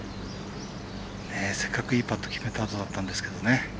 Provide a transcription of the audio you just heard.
せっかく、いいパット決めたあとだったんですけどね。